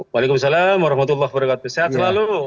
waalaikumsalam warahmatullahi wabarakatuh sehat selalu